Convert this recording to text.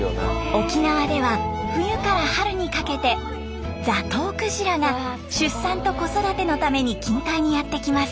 沖縄では冬から春にかけてザトウクジラが出産と子育てのために近海にやって来ます。